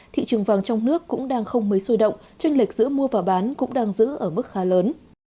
thị trường vàng trong nước cũng đang không mấy xôi động tranh lệch giữa mua và bán cũng đang giữ ở mức khá lớn